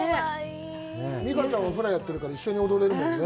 美佳ちゃんはフラをやってるから、一緒に踊れるよね。